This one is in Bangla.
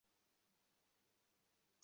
এটাই রোগ নিরাময়ের সেরা ঔষধ।